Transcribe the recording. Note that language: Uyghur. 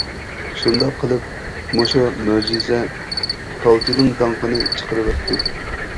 شۇنداق قىلىپ، مۇشۇ «مۆجىزە» پالچىنىڭ داڭقىنى چىقىرىۋەتتى.